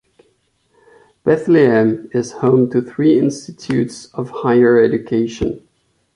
Bethlehem is home to three institutes of higher education.